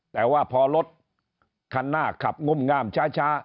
แต่ว่าพอรถคันหน้าขับงุ่มงามช้า